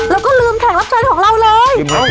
แล้วก็ลืมแขกรับเชิญของเราเลย